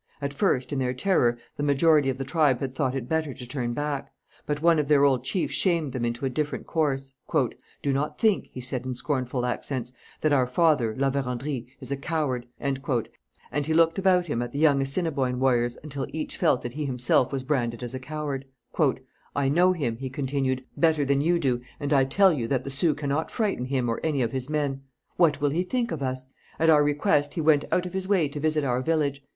At first, in their terror, the majority of the tribe had thought it better to turn back; but one of their old chiefs shamed them into a different course. 'Do not think,' he said, in scornful accents, 'that our Father [La Vérendrye] is a coward,' and he looked about him at the young Assiniboine warriors until each felt that he himself was branded as a coward. 'I know him,' he continued, 'better than you do, and I tell you that the Sioux cannot frighten him or any of his men. What will he think of us? At our request, he went out of his way to visit our village.